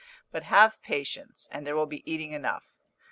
But have patience, and there will be eating enough.